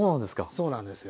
そうなんですよ。